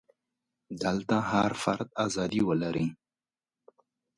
دلته هر فرد ازادي ولري.